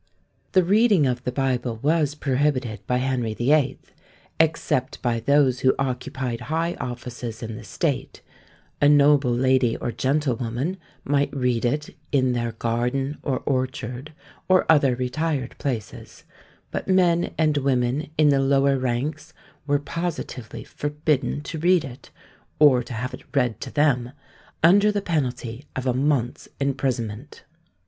The reading of the Bible was prohibited by Henry VIII., except by those who occupied high offices in the state; a noble lady or gentlewoman might read it in "their garden or orchard," or other retired places; but men and women in the lower ranks were positively forbidden to read it, or to have it read to them, under the penalty of a month's imprisonment.